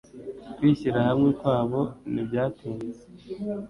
Kwishyira hamwe kwabo ntibyatinze